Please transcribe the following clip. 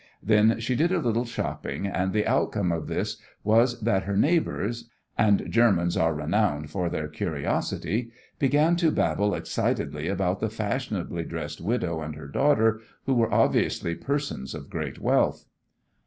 Then she did a little shopping, and the outcome of this was that her neighbours and Germans are renowned for their curiosity began to babble excitedly about the fashionably dressed widow and her daughter, who were obviously persons of great wealth.